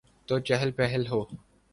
تو چہل پہل ہو۔